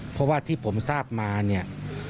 เพราะว่าที่ผมทราบมาเนี่ย